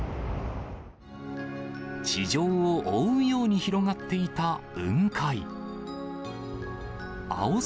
地上を覆うように広がっていた雲海。